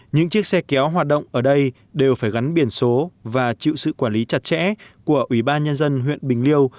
những chiếc xe kéo hoạt động ở đây đều phải gắn biển số và chịu sự quản lý chặt chẽ của ủy ban nhân dân huyện bình liêu